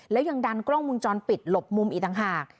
แล้วยังดันกล้องมุมจรปิดหลบมุมอีกต่างหาก